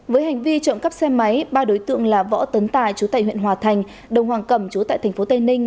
với hành vi trộm cắp xe máy ba đối tượng là võ tấn tài chú tại huyện hòa thành đồng hoàng cẩm chú tại thành phố tây ninh